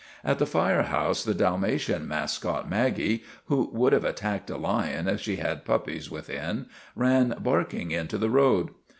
At the fire house the Dalmatian mascot Maggie, who would have attacked a lion if she had puppies within, ran barking into the road.